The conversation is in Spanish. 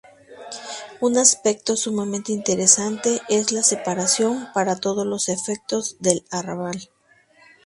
Un aspecto sumamente interesante es la separación para todos los efectos del Arrabal.